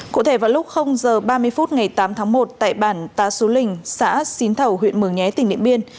cụ thể vào lúc h ba mươi phút ngày tám tháng một tại bản tá sú linh xã xín thầu huyện mường nhé tỉnh điện biên